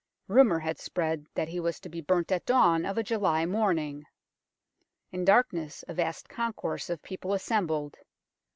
Rumour had spread that he was to be burnt at dawn of a July morning. In darkness a vast concourse of people assembled.